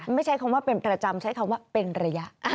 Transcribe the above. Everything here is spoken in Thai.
ไม่ใช่คำว่าเป็นประจำใช้คำว่าเป็นระยะ